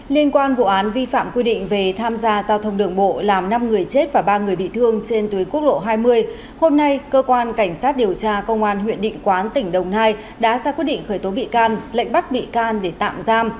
liên quan vụ án vi phạm quy định về tham gia giao thông đường bộ làm năm người chết và ba người bị thương trên tuyến quốc lộ hai mươi hôm nay cơ quan cảnh sát điều tra công an huyện định quán tỉnh đồng nai đã ra quyết định khởi tố bị can lệnh bắt bị can để tạm giam